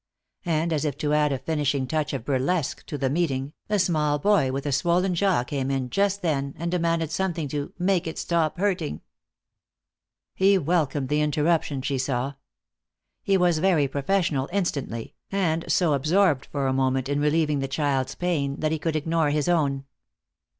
And as if to add a finishing touch of burlesque to the meeting, a small boy with a swollen jaw came in just then and demanded something to "make it stop hurting." He welcomed the interruption, she saw. He was very professional instantly, and so absorbed for a moment in relieving the child's pain that he could ignore his own.